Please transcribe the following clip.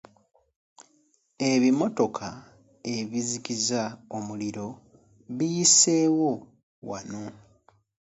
Ebimotoka ebizikiza omuliro biyiseewo wano.